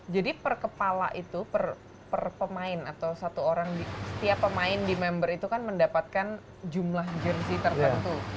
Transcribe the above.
jadi per kepala itu per pemain atau satu orang setiap pemain di member itu kan mendapatkan jumlah jersey tertentu